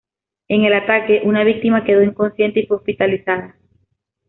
En el ataque, una víctima quedó inconsciente y fue hospitalizada.